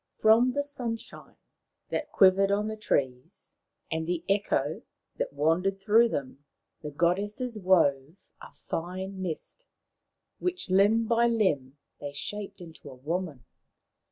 From the Sunshine that quivered on the trees and the Echo that wandered through them, the goddesses wove a fine mist, which limb by limb they shaped into a woman.